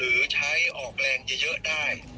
หรือใช้ออกแรงจะเยอะได้